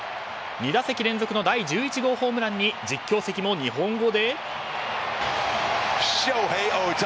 ２打席連続の第１１号ホームランに実況席も日本語で。